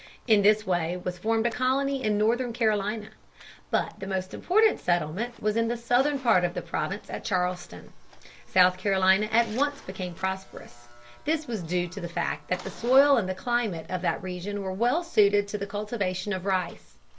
In this way was formed a colony in northern Carolina. But the most important settlement was in the southern part of the province at Charleston. Southern Carolina at once became prosperous. This was due to the fact that the soil and climate of that region were well suited to the cultivation of rice.